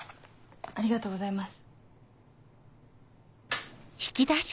ありがとうございます。